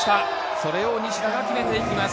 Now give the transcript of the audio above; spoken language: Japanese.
それを西田が決めていきます。